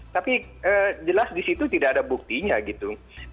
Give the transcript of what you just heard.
tapi jelas disitu tidak ada buktinya gitu